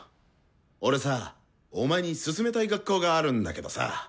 俺さお前に勧めたい学校があるんだけどさ。